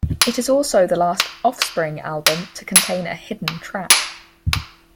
It is also the last Offspring album to contain a hidden track.